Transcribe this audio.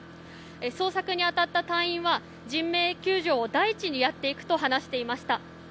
捜索に当たった隊員は人命救助を第一にやっていくと話していました。